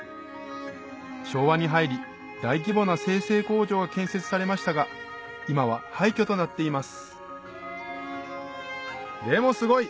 昭和に入り大規模な精製工場が建設されましたが今は廃虚となっていますでもすごい！